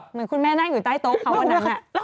เหมือนคุณแม่นั่งในเปล่า